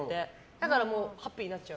だからハッピーになっちゃう。